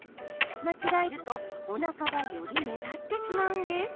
間違えると、おなかがより目立ってしまうんです。